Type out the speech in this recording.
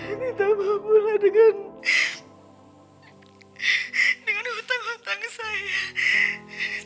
ini tak berguna dengan hutang hutang saya